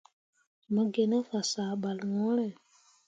Mo gi ne fasah ɓal ŋwǝǝre.